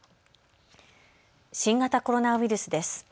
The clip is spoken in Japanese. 新型コロナウイルスです。